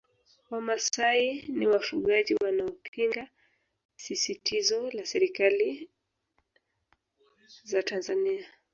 Wamasai ni wafugaji wanaopinga sisitizo la serikali za Tanzania